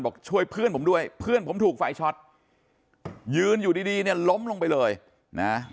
ช่วยเพื่อนผมด้วยเพื่อนผมถูกไฟช็อตยืนอยู่ดีดีเนี่ยล้มลงไปเลยนะ